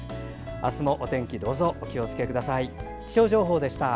明日もお天気、どうぞお気をつけください。